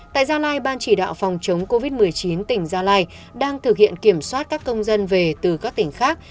tại gia lai ban chỉ đạo phòng chống covid một mươi chín tỉnh gia lai đang thực hiện kiểm soát các công dân về từ các tỉnh khác